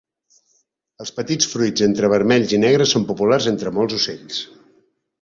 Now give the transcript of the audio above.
Els petits fruits entre vermells i negres són populars entre molts ocells.